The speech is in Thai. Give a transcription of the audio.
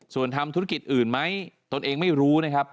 ส่วนทำธุรกิจอื่นไหมตนเองไม่รู้นะครับ